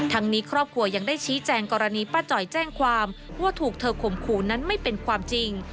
นี้ครอบครัวยังได้ชี้แจงกรณีป้าจ่อยแจ้งความว่าถูกเธอข่มขู่นั้นไม่เป็นความจริง